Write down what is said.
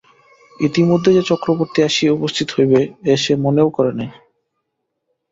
ইতিমধ্যে যে চক্রবর্তী আসিয়া উপস্থিত হইবে এ সে মনেও করে নাই।